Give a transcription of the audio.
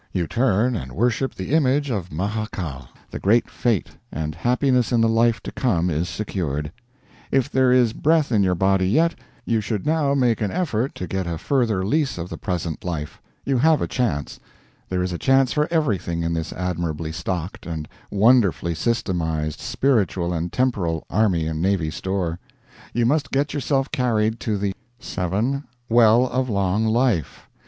You turn and worship the image of Maha Kal, the Great Fate, and happiness in the life to come is secured. If there is breath in your body yet, you should now make an effort to get a further lease of the present life. You have a chance. There is a chance for everything in this admirably stocked and wonderfully systemized Spiritual and Temporal Army and Navy Store. You must get yourself carried to the 7. Well of Long Life.